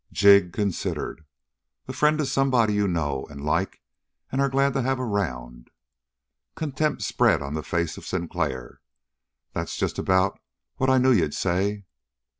Jig considered. "A friend is somebody you know and like and are glad to have around." Contempt spread on the face of Sinclair. "That's just about what I knew you'd say."